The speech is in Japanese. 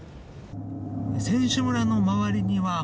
選手村の周りには。